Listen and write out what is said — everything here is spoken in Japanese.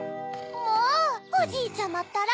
もうおじいちゃまったら！